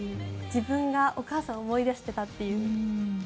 自分がお母さんを思い出していたっていう。